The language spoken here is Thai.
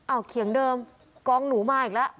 เอาเขียงเดิมกองหนูมาอีกแล้ว